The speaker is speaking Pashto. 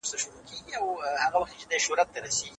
بشيراحمد تايي شېرمحمد حزين